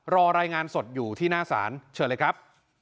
รายงานสดอยู่ที่หน้าศาลเชิญเลยครับ